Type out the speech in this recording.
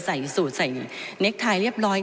ใส่สูตรใส่เน็กไทยเรียบร้อย